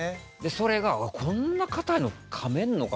それがこんな硬いのかめるのかなとか。